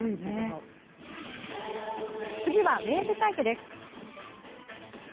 次は、ウエーブタイプです。